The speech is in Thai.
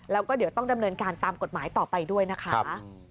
แล้วก็เดี๋ยวต้องดำเนินการตามกฎหมายต่อไปด้วยนะคะ